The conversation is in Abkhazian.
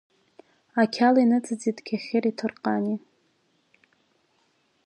Ақьала иныҵыҵит Кьахьыри Ҭарҟани.